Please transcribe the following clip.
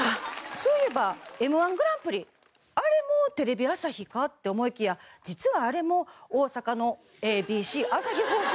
そういえばＭ−１グランプリあれもテレビ朝日かって思いきや実はあれも大阪のＡＢＣ朝日放送制作なの。